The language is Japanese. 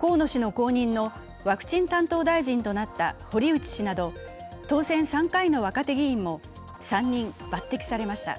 河野氏の後任のワクチン担当大臣となった堀内氏など当選３回の若手議員も３人抜てきされました。